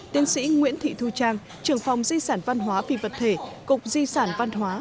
tiến sĩ nguyễn thị thu trang trưởng phòng di sản văn hóa vì vật thể cục di sản văn hóa